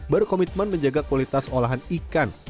berkomitmen menjaga kualitas olahan ikan